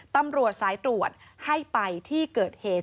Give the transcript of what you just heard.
ตำรวจสายตรวจให้ไปที่เกิดเหตุ